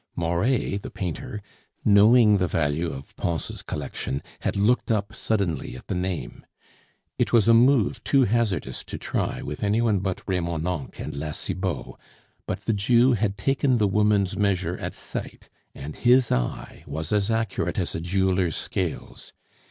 Moret the painter, knowing the value of Pons' collection, had looked up suddenly at the name. It was a move too hazardous to try with any one but Remonencq and La Cibot, but the Jew had taken the woman's measure at sight, and his eye was as accurate as a jeweler's scales.